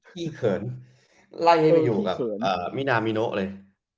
เขินไล่ให้ไปอยู่กับมินามิโนเลย